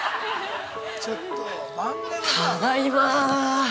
ただいま。